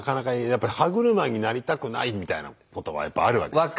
やっぱり歯車になりたくないみたいなことはやっぱあるわけだから。